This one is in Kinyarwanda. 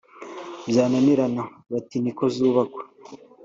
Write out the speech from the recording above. byananirana bati ‘ni ko zubakwa’